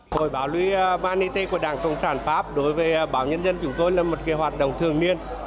hội báo luy vanity của đảng cộng sản pháp đối với báo nhân dân chúng tôi là một hoạt động thường niên